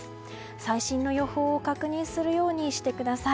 最新の予報を確認するようにしてください。